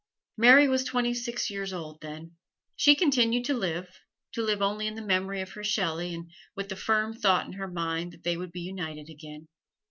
Mary was twenty six years old then. She continued to live to live only in the memory of her Shelley and with the firm thought in her mind that they would be united again.